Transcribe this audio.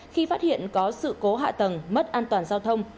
khi phát hiện có sự cố hạ tầng mất an toàn giao thông